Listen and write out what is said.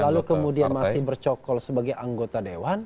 lalu kemudian masih bercokol sebagai anggota dewan